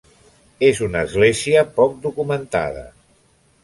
És una església poc documentada.